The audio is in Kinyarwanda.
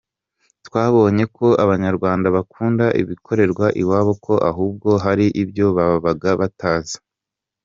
Twabonye ko Abanyarwanda bakunda ibikorerwa iwabo ko ahubwo hari ibyo babaga batazi.